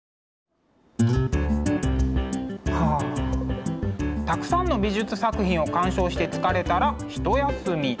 はあたくさんの美術作品を鑑賞して疲れたら一休み。